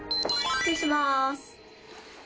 失礼します。